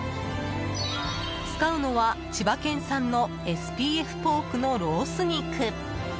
使うのは千葉県産のＳＰＦポークのロース肉。